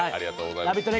「ラヴィット！」